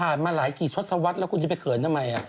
อ่านมาหลายกี่ฉดสวัสดิ์แล้วคุณยังไปเขินทำไม